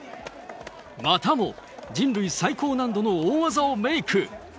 またも人類最高難度の大技をメイク。